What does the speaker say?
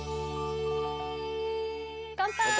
乾杯。